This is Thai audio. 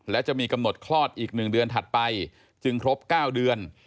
และจะมีกำหนดคลอดอีก๑เดือนถัดไปจึงครบ๙เดือน